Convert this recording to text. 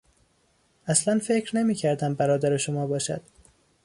اصلا فکر نمیکردم برادر شما باشد!